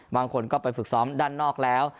บางคนก็ไปฝึกซ้อมด้านนอกแล้ว